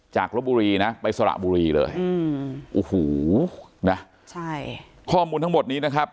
ลบบุรีนะไปสระบุรีเลยอืมโอ้โหนะใช่ข้อมูลทั้งหมดนี้นะครับ